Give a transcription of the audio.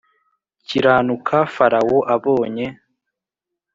Kiranuka Farawo Abonye